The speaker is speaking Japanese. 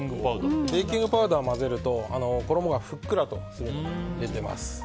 ベーキングパウダーを混ぜると衣がふっくらとするので入れています。